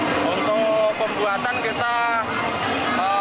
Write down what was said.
untuk pembuatan kita